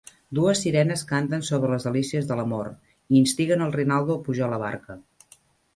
Dues sirenes canten sobre les delícies de l'amor i instiguen el Rinaldo a pujar a la barca.